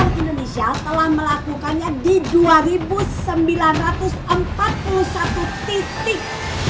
pemerintah indonesia telah melakukannya di dua sembilan ratus empat puluh satu titik